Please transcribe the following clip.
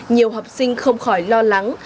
nhiều học sinh không khỏi lo lắng